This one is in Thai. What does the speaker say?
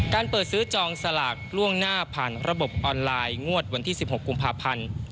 เปิดซื้อจองสลากล่วงหน้าผ่านระบบออนไลน์งวดวันที่๑๖กุมภาพันธ์